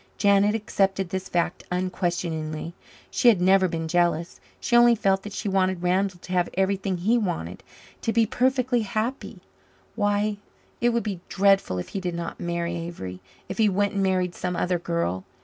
Janet accepted this fact unquestioningly. She had never been jealous. She only felt that she wanted Randall to have everything he wanted to be perfectly happy. Why, it would be dreadful if he did not marry Avery if he went and married some other girl.